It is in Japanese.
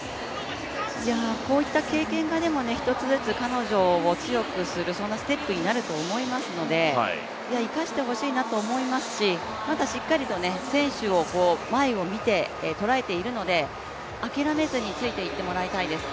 こういった経験が一つずつ彼女を強くするそんなステップになると思いますので、生かしてほしいなと思いますし、まだしっかりと選手を、前を見て、とらえているので諦めずに着いていってもらいたいです。